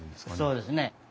そうですね。